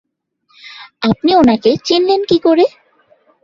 আপনি ওনাকে চিনলেন কি কোরে?